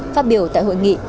phát biểu tại hội nghị